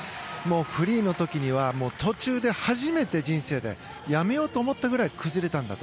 フリーの時には途中で初めて、人生で辞めようと思ったぐらい崩れたんだと。